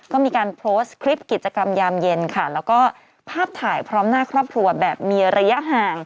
ก็มีการโพสต์คลิปกิจกรรมยามเย็นค่ะแล้วก็ภาพถ่ายพร้อมหน้าครอบครัวแบบมีระยะห่าง